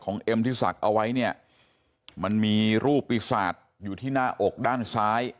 เอ็มที่ศักดิ์เอาไว้เนี่ยมันมีรูปปีศาจอยู่ที่หน้าอกด้านซ้าย